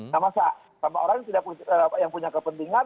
sama orang yang punya kepentingan